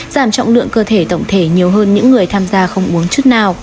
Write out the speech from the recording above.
giảm trọng lượng cơ thể tổng thể nhiều hơn những người tham gia không uống chút nào